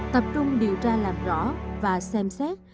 tập trung điều tra làm rõ và xem xét